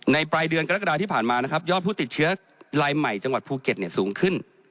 ปลายเดือนกรกฎาที่ผ่านมานะครับยอดผู้ติดเชื้อรายใหม่จังหวัดภูเก็ตสูงขึ้น